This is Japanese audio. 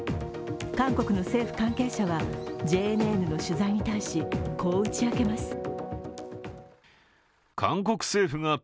韓国の政府関係者はＪＮＮの取材に対し、こう打ち明けます。